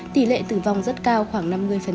tỷ lệ tử vong rất cao khoảng năm mươi